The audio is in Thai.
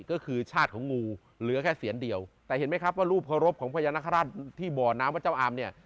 ก็คือชาติของงูเหลือแค่เสียนเดียวแต่เห็นไหมครับว่ารูปเคารพของพญานาคาราชที่บ่อน้ำวัดเจ้าอามเนี่ย